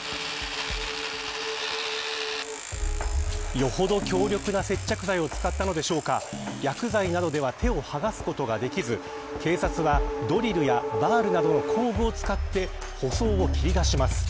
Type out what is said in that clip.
よほど強力な接着剤を使ったのでしょうか薬剤などでは手を剥がすことができず警察がドリルやバールなどの工具を使って舗装を切り出します。